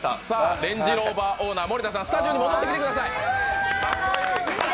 レンジローバーオーナー、森田さん、スタジオに戻ってきてください。